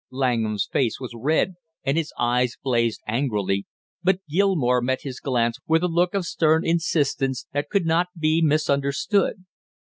Langham's face was red, and his eyes blazed angrily, but Gilmore met his glance with a look of stern insistence that could not be misunderstood.